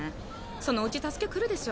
そのうち助け来るでしょ。